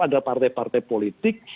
ada partai partai politik